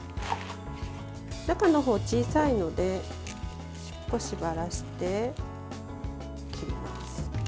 中のほう、小さいので少しばらして切ります。